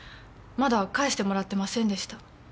まだ返してもらってませんでした。